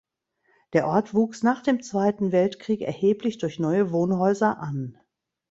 Der Ort wuchs nach dem Zweiten Weltkrieg erheblich durch neue Wohnhäuser an.